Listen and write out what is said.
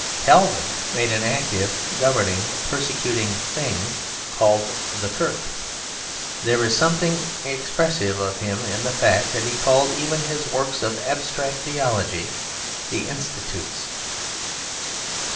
Calvin made an active, governing, persecuting thing, called the Kirk. There is something expressive of him in the fact that he called even his work of abstract theology "The Institutes."